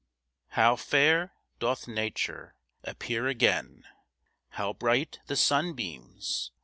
How fair doth Nature Appear again! How bright the sunbeams!